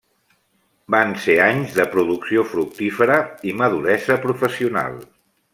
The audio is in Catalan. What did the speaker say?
Van ser anys de producció fructífera i maduresa professional.